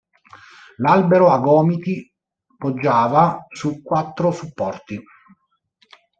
L'albero a gomiti poggiava su quattro supporti.